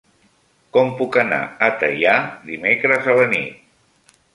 Com puc anar a Teià dimecres a la nit?